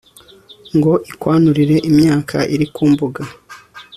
ngo ikwanurire imyaka iri ku mbuga